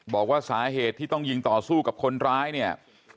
บอกว่าสาเหตุที่ต้องยิงต่อสู้กับคนร้ายเนี่ย